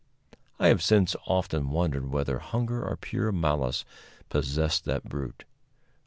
I have since often wondered whether hunger or pure malice possessed that brute.